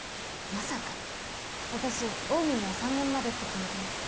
まさか私オウミには３年までって決めてます。